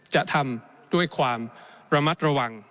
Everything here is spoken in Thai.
จะทำด้วยความระมัดระวัง